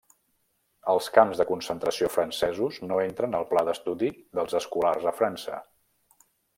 Els camps de concentració francesos no entren al pla d'estudis dels escolars a França.